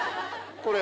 これ。